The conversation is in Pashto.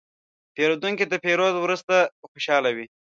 پیرودونکی د پیرود وروسته خوشاله و.